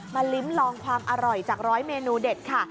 ลิ้มลองความอร่อยจากร้อยเมนูเด็ดค่ะ